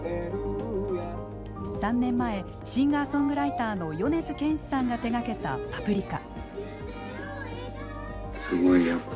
３年前シンガーソングライターの米津玄師さんが手がけた「パプリカ」。